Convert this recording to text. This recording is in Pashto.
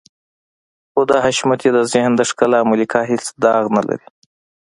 خو د حشمتي د ذهن د ښکلا ملکه هېڅ داغ نه لري.